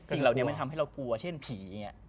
สิ่งเหล่านี้มันทำให้เรากลัวเช่นผี